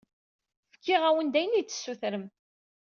Fkiɣ-awen-d ayen i d-tessutrem.